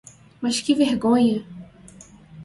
Mas que vergonha!